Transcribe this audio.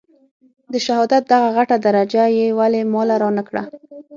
د شهادت دغه غټه درجه يې ولې ما له رانه کړه.